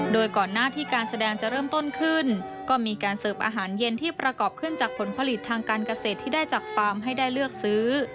โดยก่อนหน้าที่การแสดงจะเริ่มต้นขึ้นก็มีการเสิร์ฟอาหารเย็นที่ประกอบขึ้นจากผลผลิตทางการเกษตรที่ได้จากฟาร์มให้ได้เลือกซื้อ